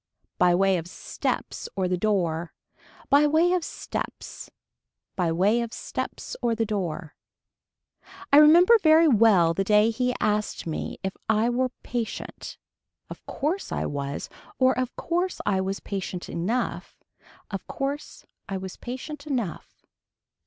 By way of steps or the door. By way of steps. By way of steps or the door. I remember very well the day he asked me if I were patient. Of course I was or of course I was patient enough, of course I was patient enough.